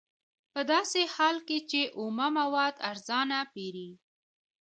په داسې حال کې چې اومه مواد ارزانه پېري